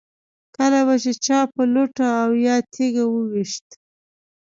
کله به چې چا په لوټه او یا تیږه و ویشت.